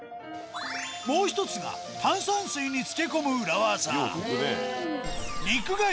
もう１つが炭酸水に漬け込む裏技どっち？